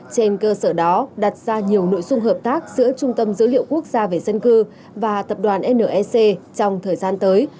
trên cơ sở đó đặt ra nhiều nội dung hợp tác giữa trung tâm dữ liệu quốc gia về dân cư và tập đoàn nec trong thời gian tới